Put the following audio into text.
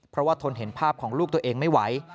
เพราะว่าทนเห็นภาพของลูกตัวเองไม่ไหว